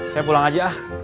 saya pulang aja ah